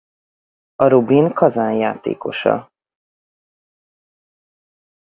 A Rubin Kazán játékosa.